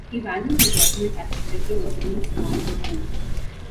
He valued her judgement as reflecting a woman's point of view.